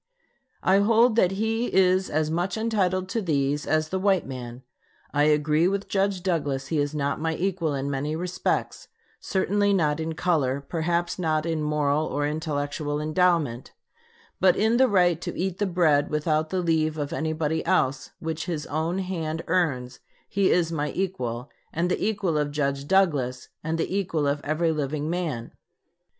I hold that he is as much entitled to these as the white man. I agree with Judge Douglas he is not my equal in many respects certainly not in color, perhaps not in moral or intellectual endowment; but in the right to eat the bread without the leave of anybody else, which his own hand earns, he is my equal, and the equal of Judge Douglas and the equal of every living man."